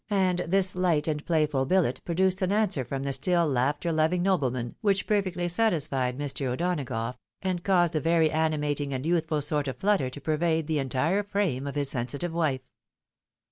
And this light and playful bdlet produced an answer from the still laughter loving noble man, which perfectly satisfied Mr. O'Donagough, and caused a very animating and youthful sort of flutter to pervade the entire frame of his sensitive wife.